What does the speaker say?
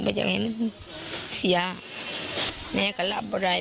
บอกว่าอยากให้มันเสียแม้ก็รับบอกว่าอะไร